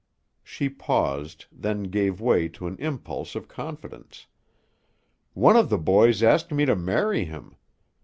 She paused, then gave way to an impulse of confidence. "One of the boys asked me to marry him.